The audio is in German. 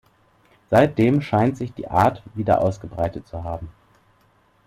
Seitdem scheint sich die Art wieder ausgebreitet zu haben.